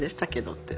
って。